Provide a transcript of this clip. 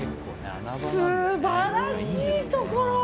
素晴らしいところ！